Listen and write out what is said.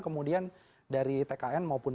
kemudian dari tkn maupun